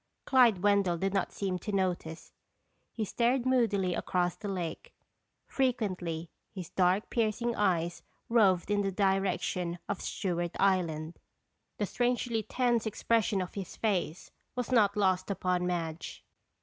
Clyde Wendell did not seem to notice. He stared moodily across the lake. Frequently, his dark, piercing eyes roved in the direction of Stewart Island. The strangely tense expression of his face was not lost upon Madge.